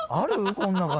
こん中に。